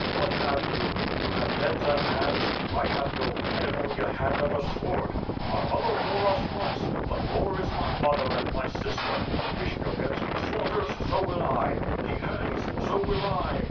What have you? You have heads and hands. 1 have no head only a hand and a sword. Our mother bore us once, but war is my mother and my sister. Vishnyovyetski slaughters, so will 1. He hangs, so will 1.